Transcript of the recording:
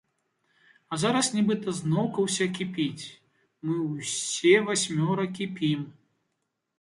А зараз нібыта зноўку ўсё кіпіць, мы ўсе васьмёра кіпім.